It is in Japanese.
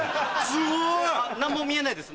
すごい！何も見えないです